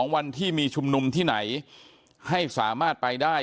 วันที่มีชุมนุมที่ไหนให้สามารถไปได้